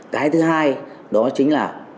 cái thứ hai đó chính là